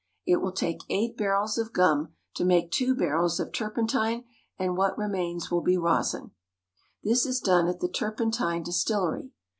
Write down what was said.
It will take eight barrels of gum to make two barrels of turpentine, and what remains will be rosin. This is done at the turpentine distillery.